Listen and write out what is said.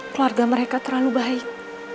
keluarga mereka terlalu baik